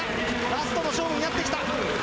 ラストの勝負になってきた。